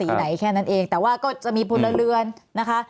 ไหนแค่นั้นเองแต่ว่าก็จะมีพลเรือนนะคะ